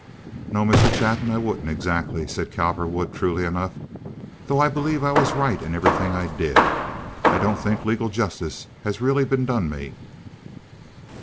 "No, Mr. Chapin, I wouldn't, exactly," said Cowperwood, truly enough, "though I believed I was right in everything I did. I don't think legal justice has really been done me."